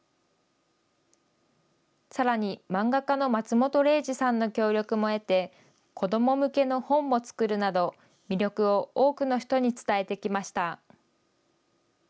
さらに漫画家の松本零士さんの協力も得て、子ども向けの本も作るなど、魅力を多くの人に伝えてきました。